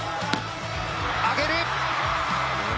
上げる。